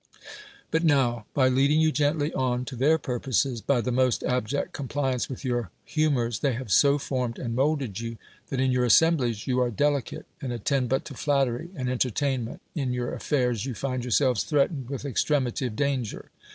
But now, by leading you gently on to their purposes, by the most abject compliance with your humors, they have so formed and molded you that in your assemblies you are delicate, and attend but to flattery and enter tainment, in your affairs you find yourselves threatened with extremity of danger.